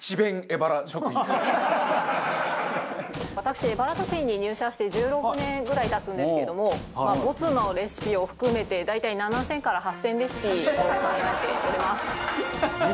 エバラ食品に入社して１６年ぐらい経つんですけども没のレシピを含めて大体７０００から８０００レシピを考えております。